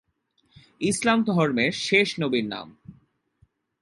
ইসলাম ধর্মের শেষ নবীর নাম।